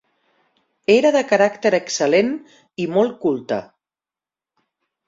Era de caràcter excel·lent i molt culte.